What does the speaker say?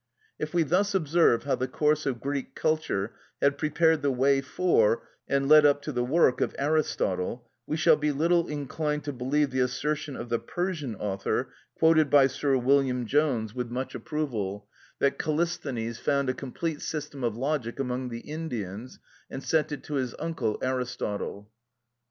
If we thus observe how the course of Greek culture had prepared the way for, and led up to the work of Aristotle, we shall be little inclined to believe the assertion of the Persian author, quoted by Sir William Jones with much approval, that Kallisthenes found a complete system of logic among the Indians, and sent it to his uncle Aristotle (Asiatic Researches, vol. iv. p. 163).